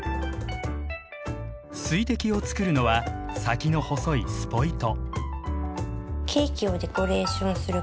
水滴をつくるのは先の細いスポイト。